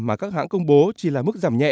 mà các hãng công bố chỉ là mức giảm nhẹ